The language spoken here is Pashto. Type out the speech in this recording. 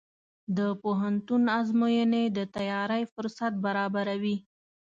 د پوهنتون ازموینې د تیاری فرصت برابروي.